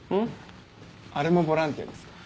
あれもボランティアですか？